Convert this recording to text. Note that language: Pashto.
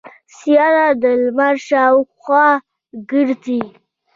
سیاره د لمر شاوخوا ګرځي.